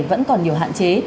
vẫn còn nhiều hạn chế